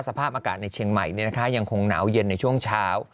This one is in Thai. สภาพอากาศในเชียงใหม่ยังคงหนาวเย็นในช่วงเช้า